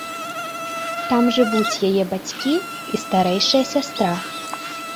Там жывуць яе бацькі і старэйшая сястра.